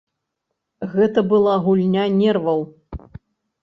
Гэта была гульня нерваў.